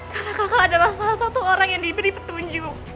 karena kakak adalah salah satu orang yang diberi petunjuk